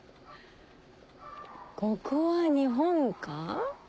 ここは日本か？